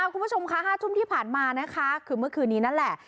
คุณผู้ชมค่ะ๕ทุ่มที่ผ่านมานะคะคือเมื่อคืนนี้นั่นแหละ